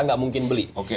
enggak mungkin beli